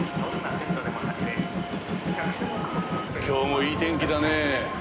今日もいい天気だね。